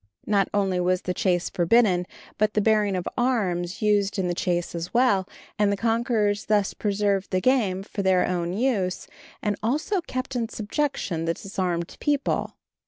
Not only was the chase forbidden, but the bearing of arms used in the chase as well, and the conquerors thus preserved the game for their own use, and also kept in subjection the disarmed people.